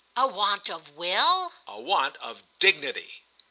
"A want of will?" "A want of dignity."